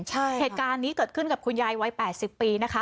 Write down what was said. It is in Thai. เหตุการณ์นี้เกิดขึ้นกับคุณยายวัย๘๐ปีนะคะ